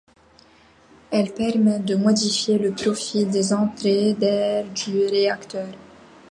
Elle permettent de modifier le profil des entrées d'air du réacteur.